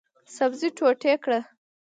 سبزي ټوټې کړئ